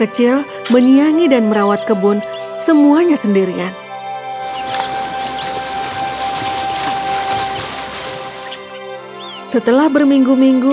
jangan aku jangan aku